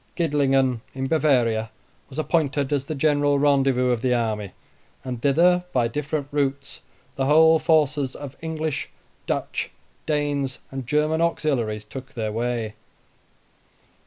Gidlingen, in Bavaria, was appointed as the general rendezvous of the army, and thither, by different routes, the whole forces of English, Dutch, Danes, and German auxiliaries took their way.